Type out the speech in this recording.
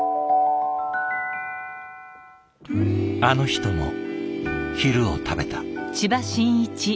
あの人も昼を食べた。